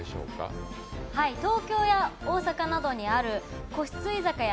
東京や大阪などにある個室家座香屋